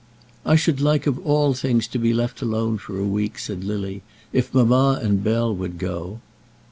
"I should like of all things to be left alone for a week," said Lily, "if mamma and Bell would go."